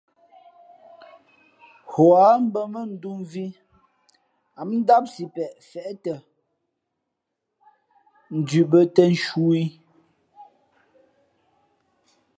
Huά mbᾱ mά ndū mvhī ǎ ndám sipeʼ feʼtα ndhʉ bᾱ těn nshu ī.